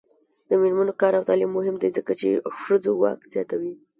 د میرمنو کار او تعلیم مهم دی ځکه چې ښځو واک زیاتوي.